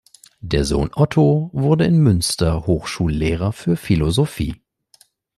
Der Sohn Otto wurde in Münster Hochschullehrer für Philosophie.